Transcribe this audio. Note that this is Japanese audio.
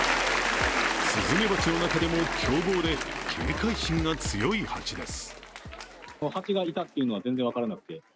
スズメバチの中でも凶暴で警戒心が強いハチです。